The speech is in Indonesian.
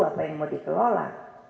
apa yang mau dikelola